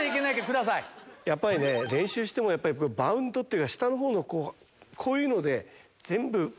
やっぱりね練習してもやっぱりバウンドっていうのは下のほうのこういうので。